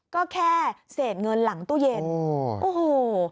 ก็แค่เศษเงินหลังตู้เย็นโอ้โห